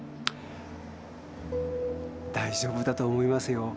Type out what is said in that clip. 大丈夫だと思いますよ。